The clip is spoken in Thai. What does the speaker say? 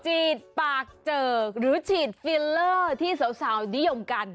ฉีดปากเจิกหรือฉีดฟิลเลอร์ที่สาวนิยมกัน